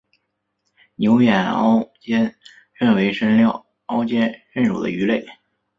牛眼凹肩鲹为鲹科凹肩鲹属的鱼类。